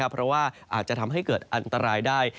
เพราะว่าอาจจะทำให้เกิดอันตรายได้